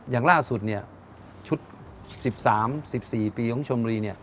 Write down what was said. อย่างล่าสุดชุด๑๓๑๔ปีของชมบุรี